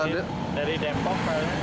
dari depok pak